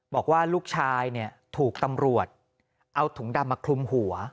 บอกว่าลูกชายถูกตำรวจเอาถุงดำมาคลุมหัว